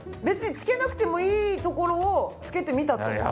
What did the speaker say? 別につけなくてもいいところをつけてみたと？